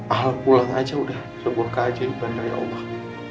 alam bulan aja udah sebuah keajaiban dari allah